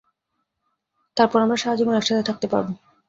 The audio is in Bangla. তারপর আমরা সারাজীবন একসাথে থাকতে পারবো!